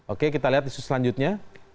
oke kita lihat isu selanjutnya